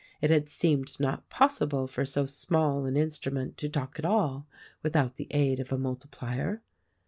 It had seemed not possible for so small an instrument to talk at all without the aid of a multiplier.